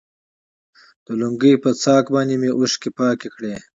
د لونګۍ په شف باندې مې اوښكې پاكې كړي.